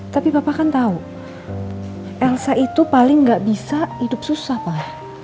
tapi bapak kan tahu elsa itu paling nggak bisa hidup susah pak